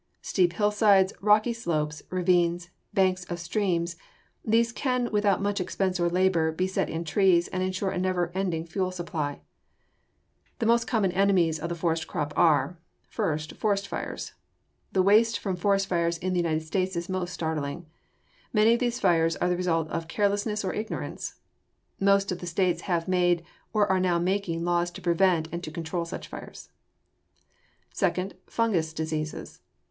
Steep hillsides, rocky slopes, ravines, banks of streams these can, without much expense or labor, be set in trees and insure a never ending fuel supply. [Illustration: FIG. 222. WOOD LOT Before proper treatment] The most common enemies of the forest crop are: First, forest fires. The waste from forest fires in the United States is most startling. Many of these fires are the result of carelessness or ignorance. Most of the states have made or are now making laws to prevent and to control such fires. Second, fungous diseases.